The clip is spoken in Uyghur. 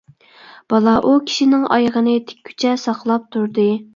بالا ئۇ كىشىنىڭ ئايىغىنى تىككۈچە ساقلاپ تۇردى.